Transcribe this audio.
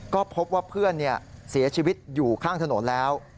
ก็พบว่าเพื่อนเสียชีวิตอยู่ข้างถนนแล้ว